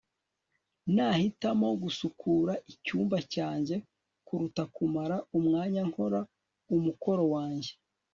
nahitamo gusukura icyumba cyanjye kuruta kumara umwanya nkora umukoro wanjye